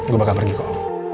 gue bakal pergi kok